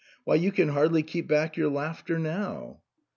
Why, you can hardly keep back your laughter now."